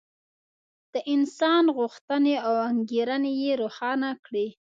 د انسان غوښتنې او انګېرنې یې روښانه کړې.